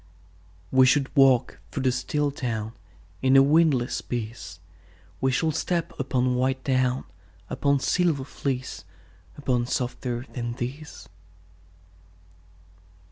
We shall walk through the still town In a windless peace; We shall step upon white down, Upon silver fleece, Upon softer than these.